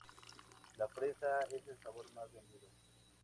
La fresa es el sabor más vendido.